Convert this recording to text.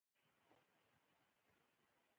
ماشین ویریده.